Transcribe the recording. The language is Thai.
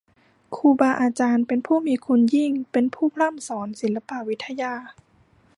ครูบาอาจารย์เป็นผู้มีคุณยิ่ง เป็นผู้พร่ำสอนศิลปะวิทยา